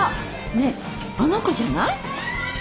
ねっあの子じゃない？